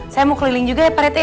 saya mau keliling juga ya parete